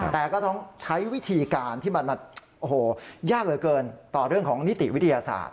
แต่ก็ต้องใช้วิธีการที่มันมาโอ้โหยากเหลือเกินต่อเรื่องของนิติวิทยาศาสต